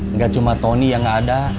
nggak cuma tony yang gak ada